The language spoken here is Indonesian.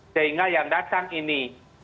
sehingga yang datang ini